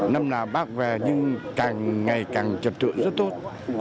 năm nào bác về nhưng càng ngày càng trật tự rất tốt